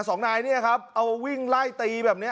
สองนายเนี่ยครับเอาวิ่งไล่ตีแบบนี้